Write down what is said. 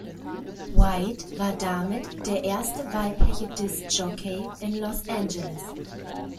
White war damit der erste weibliche Diskjockey in Los Angeles.